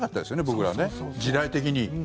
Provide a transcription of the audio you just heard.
僕らはね、時代的に。